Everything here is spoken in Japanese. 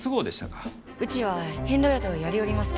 うちは遍路宿をやりよりますき。